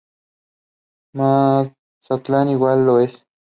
Mazatlán igual lo es.